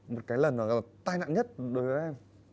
một cái lần nó là tai nạn nhất đối với em